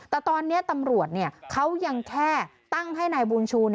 แต่ตอนนี้ตำรวจเขายังแค่ตั้งให้นายบุญชู